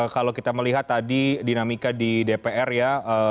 kalau kita melihat tadi dinamika di dpr ya